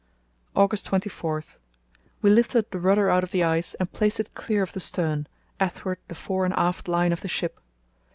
"August 24.—We lifted the rudder out of the ice and placed it clear of the stern, athwart the fore and aft line of the ship.